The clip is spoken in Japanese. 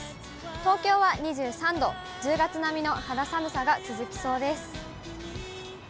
東京は２３度、１０月並みの肌寒さが続きそうです。